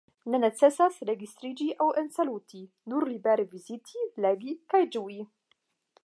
Ne necesas registriĝi aŭ ensaluti – nur libere viziti, legi kaj ĝui.